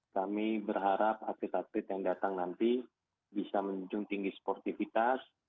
kami berharap aktivitas yang datang nanti bisa menunjuk tinggi sportivitas